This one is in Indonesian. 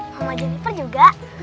mama jennifer juga